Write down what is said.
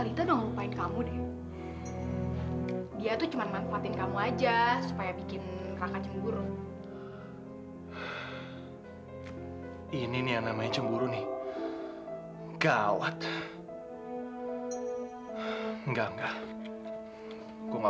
sampai jumpa di video selanjutnya